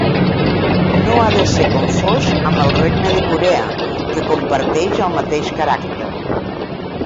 No ha de ser confós amb el regne de Corea que comparteix el mateix caràcter.